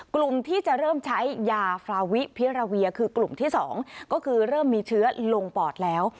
กลุ่มที่จะเริ่มใช้ยาฟาวิพิราเวียคือกลุ่มที่๒ก็คือเริ่มมีเชื้อลงปอดแล้ว